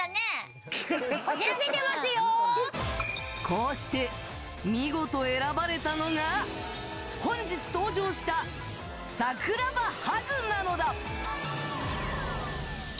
こうして、見事、選ばれたのが本日登場した桜葉ハグなのだ。